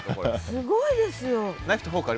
すごいですよ。